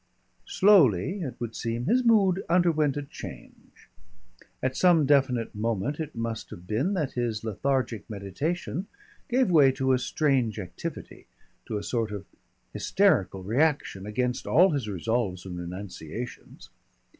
Slowly, it would seem, his mood underwent a change. At some definite moment it must have been that his lethargic meditation gave way to a strange activity, to a sort of hysterical reaction against all his resolves and renunciations.